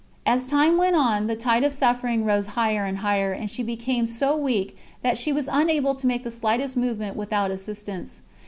'" As time went on, the tide of suffering rose higher and higher, and she became so weak, that she was unable to make the slightest movement without assistance.